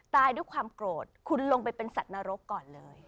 ตายด้วยความโกรธคุณลงไปเป็นสัตว์นรกก่อนเลย